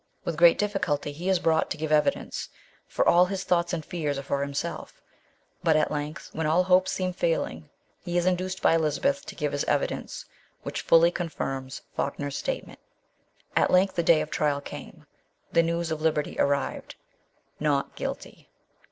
With great difficulty he is brought to give evidence, for all his thoughts and fears are for himself; but at length, when all hopes seem failing, he is induced by Eliza beth to give his evidence, which fully confirms Falkner's statement. At length the day of trial came. The news of liberty arrived. " Not Guilty